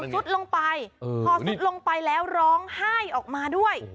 สุดลงไปพอซุดลงไปแล้วร้องไห้ออกมาด้วย